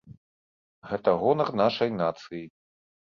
Гэта гонар нашай нацыі.